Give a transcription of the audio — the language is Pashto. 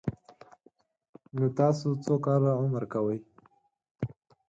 _نو تاسو څو کاله عمر کوئ؟